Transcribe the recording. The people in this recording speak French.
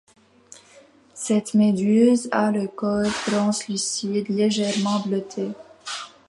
Cette méduse a le corps translucide, légèrement bleuté.